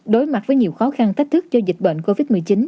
đối mặt với nhiều khó khăn thách thức do dịch bệnh covid một mươi chín